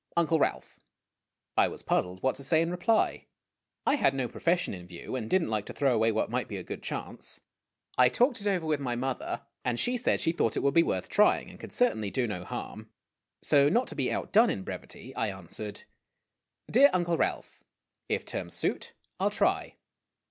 UNCLE RALPH. I was puzzled what to say in reply. I had no profession in view, and did n't like to throw away what might be a good chance. I talked it over with my mother, and she said she thought it would be worth trying and could certainly do no harm. So, not to be outdone in brevity, I answered : Dear Uncle Ralph : If terms suit, I '11 try.